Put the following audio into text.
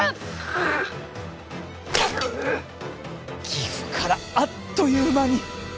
岐阜からあっという間に！